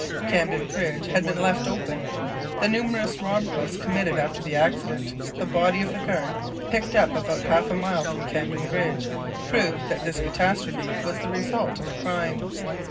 Camden Bridge had been left open. The numerous robberies committed after the accident, the body of the guard picked up about half a mile from Camden Bridge, proved that this catastrophe was the result of a crime.